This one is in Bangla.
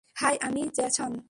হাই, আমি জ্যাসন!